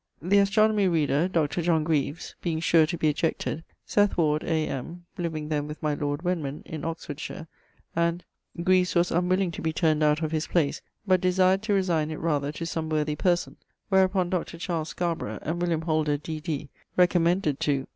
The Astronomy Reader (Dr. Greaves) being sure to be ejected, Seth Ward, A.M. (living then with my lord Wenman, in Oxfordshire, and ... Greaves was unwilling to be turned out of his place, but desired to resigne it rather to some worthy person, wherupon Dr. Charles Scarborough and William Holder, D.D. recommended to